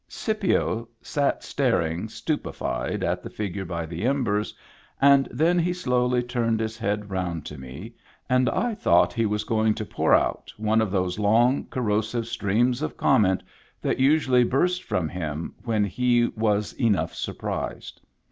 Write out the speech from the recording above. Scipio sat staring stupefied at the figure by the embers, and then he slowly turned his head round to me, and I thought he was going to pour out one of those long, corrosive streams of comment that usually burst from him when he was enough surprised.